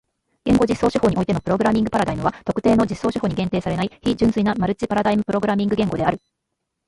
言語実装手法においてのプログラミングパラダイムは特定の実装手法に限定されない非純粋なマルチパラダイムプログラミング言語である。